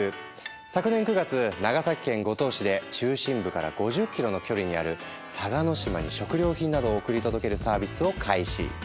昨年９月長崎県五島市で中心部から５０ｋｍの距離にある嵯峨島に食料品などを送り届けるサービスを開始。